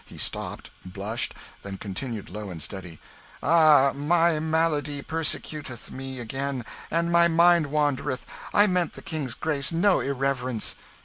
He stopped, blushed, then continued low and sadly: "Ah, my malady persecuteth me again, and my mind wandereth. I meant the King's grace no irreverence."